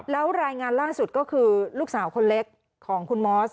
แล้วรายงานล่าสุดก็คือลูกสาวคนเล็กของคุณมอส